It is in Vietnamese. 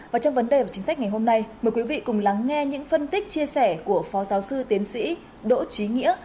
và trong vấn đề của chính sách ngày hôm nay mời quý vị cùng lắng nghe những phân tích chia sẻ của phó giáo sư tiến sĩ đỗ trí nghĩa